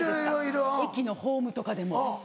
駅のホームとかでも。